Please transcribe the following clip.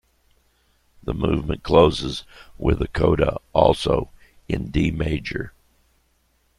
The movement closes with a coda, also in D major.